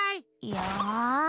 よし！